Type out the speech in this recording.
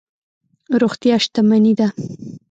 روغتیا شتمني ده.